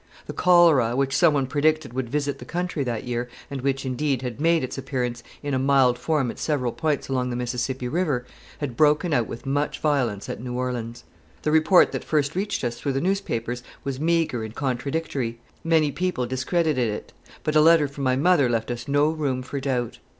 The cholera, which someone predicted would visit the country that year, and which, indeed, had made its appearance in a mild form at several points along the Mississippi River, had broken out with much violence at New Orleans. The report that first reached us through the newspapers was meagre and contradictory; many people discredited it; but a letter from my mother left us no room for doubt.